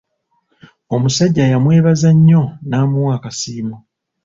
Omusajja yamwebaza nnyo n'amuwa akasiimo.